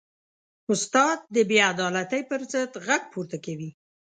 استاد د بېعدالتۍ پر ضد غږ پورته کوي.